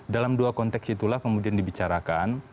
dalam dua konteks itulah kemudian dibicarakan